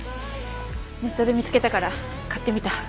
ネットで見つけたから買ってみた。